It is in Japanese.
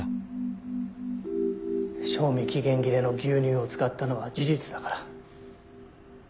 賞味期限切れの牛乳を使ったのは事実だから。